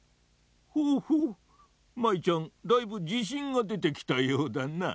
ほうほう舞ちゃんだいぶじしんがでてきたようだな。